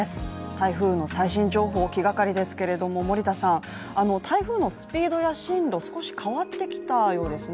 台風の最新情報、気がかりですけれども森田さん、台風のスピードや進路少し変わってきたようですね？